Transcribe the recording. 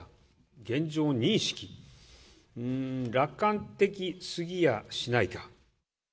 現状認識、楽観的すぎやしないか。